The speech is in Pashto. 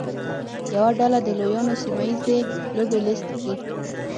یوه ډله د لویانو سیمه ییزې لوبې لیست کړي.